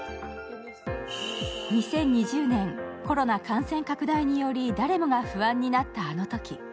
２０２０年コロナ感染拡大により誰もが不安になったあのとき。